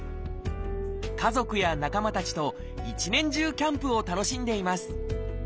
家族や仲間たちと一年中キャンプを楽しんでいます。